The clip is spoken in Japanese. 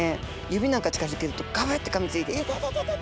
指なんか近づけるとガブッてかみついていててて！